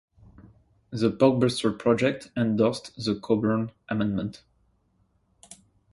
The Porkbusters project endorsed the Coburn Amendment.